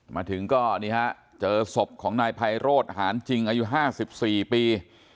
มาถึงก็นี่ฮะเจอศพของนายไพโรธหานจริงอายุ๕๔ปี